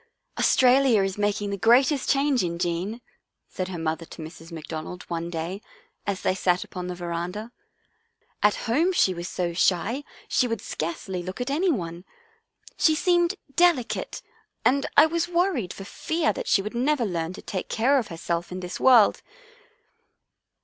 " Australia is making the greatest change in Jean," said her mother to Mrs. McDonald one day, as they sat upon the veranda. " At home she was so shy she would scarcely look at any one. She seemed delicate and I was worried for fear she would never learn to take care of herself in this world."